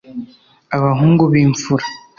Abahungu b'imfura